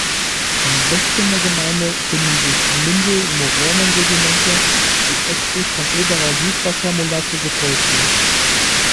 Im Westen der Gemeinde finden sich Mindel-Moränensedimente, die östlich von Oberer Süßwassermolasse gefolgt wird.